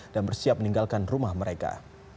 dan bersiap meninggalkan rumah mereka